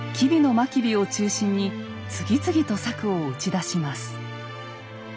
真備を中心に次々と策を打ち出します。